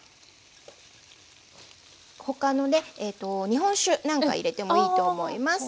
日本酒なんか入れてもいいと思います。